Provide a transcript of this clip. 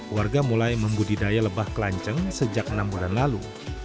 warga mulai membudidaya lebah kelanceng sejak enam bulan lalu